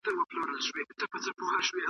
اوس « غلی شانته انقلاب» سندري نه ږغوي .